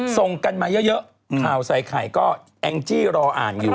ส่งกันมาเยอะข่าวใส่ไข่ก็แองจี้รออ่านอยู่